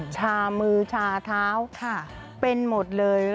ชามือชาเท้าเป็นหมดเลย